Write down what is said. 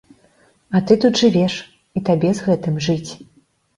А тут ты жывеш, і табе з гэтым жыць.